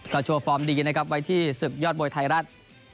โชว์ฟอร์มดีนะครับไว้ที่ศึกยอดมวยไทยรัฐ